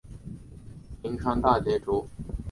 灵川大节竹为禾本科大节竹属下的一个种。